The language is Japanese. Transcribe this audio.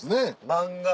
漫画。